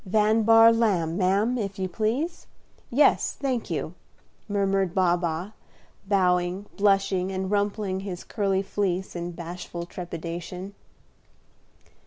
"Van Bahr Lamb, ma'am, if you please. Yes, thank you," murmured Baa Baa, bowing, blushing, and rumpling his curly fleece in bashful trepidation.